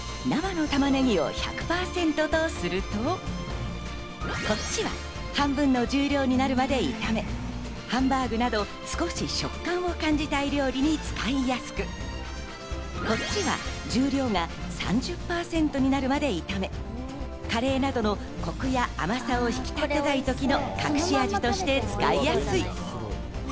生の玉ねぎを１００％とすると、こっちは半分の重量になるまで炒めハンバーグなど、少し食感を感じたい料理に使いやすく、こっちは重量が３０％になるまで炒め、カレーなどのコクや甘さを引き立てたい時の隠し味として使いやすい。